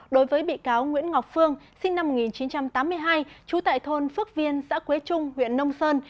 đối với bị cáo nguyễn ngọc phương sinh năm một nghìn chín trăm tám mươi hai trú tại thôn phước viên xã quế trung huyện nông sơn